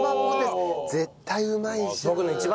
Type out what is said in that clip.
絶対うまい。